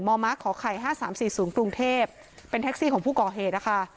มมขไข่ห้าสามสี่สูงปรุงเทพเป็นแท็กซี่ของผู้ก่อเหตุนะคะ